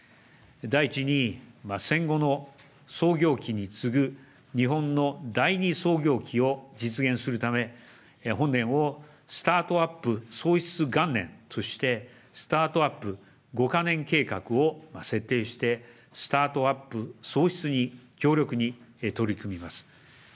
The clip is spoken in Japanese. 第１に戦後の創業期に次ぐ日本の第２創業期を実現するため、本年をスタートアップ創出元年、そしてスタートアップ５か年計画を設定して、スタートアップ創出に強力に取り組みます。